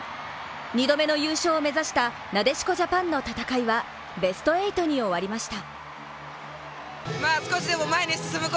２度目の優勝を目指したなでしこジャパンの戦いはベスト８に終わりました。